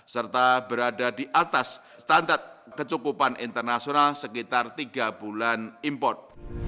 serta berada di atas standar kecukupan internasional sekitar tiga bulan import